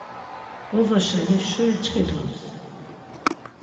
Bozo şeni şuri ç̌ǩidoms.